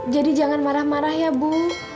jadi jangan marah marah ya bu